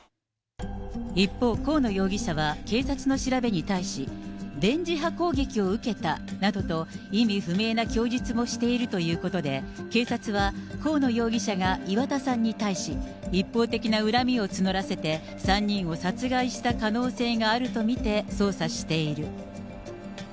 一方、河野容疑者は警察の調べに対し、電磁波攻撃を受けたなどと、意味不明な供述もしているということで、警察は河野容疑者が岩田さんに対し、一方的な恨みを募らせて、３人を殺害した可能性があると見て捜査している。